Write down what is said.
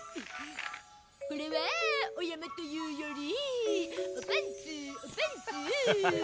これはお山というよりおパンツおパンツ。